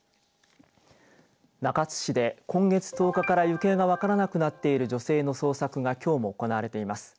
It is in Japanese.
中津市で今月１０日から行方が分からなくなっている女性の捜索がきょうも行われています。